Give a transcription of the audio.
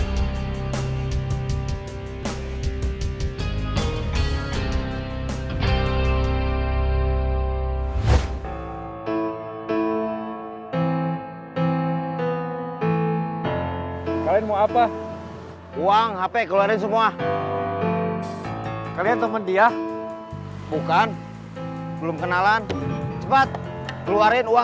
sampai jumpa di video selanjutnya